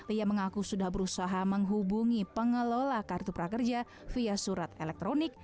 ia mengaku sudah berusaha menghubungi pengelola kartu prakerja via surat elektronik